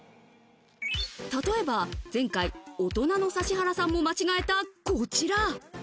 例えば前回、大人の指原さんも間違えたこちら。